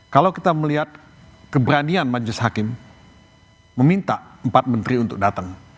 kalau kita melihat keberanian majlis hakim meminta empat menteri untuk datang